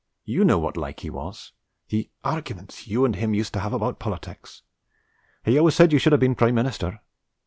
You know what like he was; the arguments you and him used to have about politics. He always said you should have been Prime Minister.